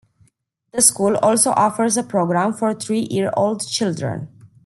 The school also offers a program for three year-old children.